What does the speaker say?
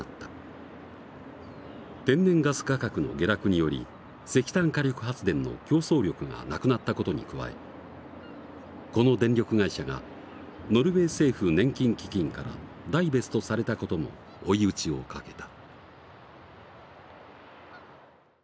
天然ガス価格の下落により石炭火力発電の競争力がなくなった事に加えこの電力会社がノルウェー政府年金基金からダイベストされた事も追い打ちをかけた。